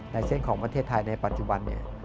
ไลเคสเซ็นต์ของประเทศไทยในปัจจุบันนี่